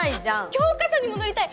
教科書にも載りたい！